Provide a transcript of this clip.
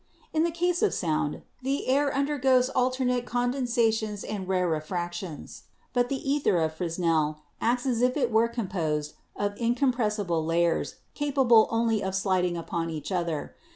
In the case of sound, the air undergoes alternate condensations and rare factions; but the ether of Fresnel acts as if it were com posed of incompressible layers capable only of sliding upon each other.